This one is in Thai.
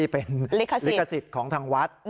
เป็นลิขสิทธิ์ของทางวัด